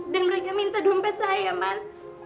dan mereka minta dompet saya mas